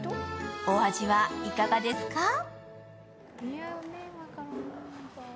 お味はいかがですか？